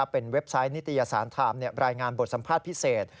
เป็นเว็บไซต์นิตยสารไทม์รายงานบทสัมภาษณ์พิเศษ